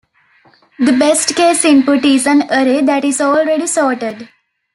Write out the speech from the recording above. The best case input is an array that is already sorted.